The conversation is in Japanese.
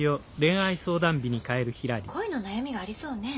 恋の悩みがありそうね？